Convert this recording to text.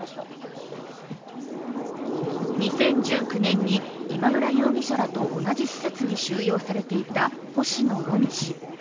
２０１９年に今村容疑者らと同じ施設に収容されていた星野路実氏。